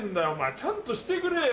ちゃんとしてくれよ！